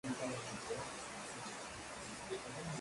El videojuego esta masculinizado